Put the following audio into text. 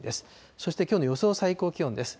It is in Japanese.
そして、きょうの予想最高気温です。